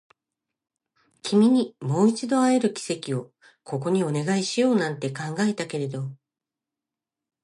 君にもう一度出会える奇跡をここにお願いしようなんて考えたけれど